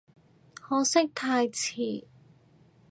可惜太遲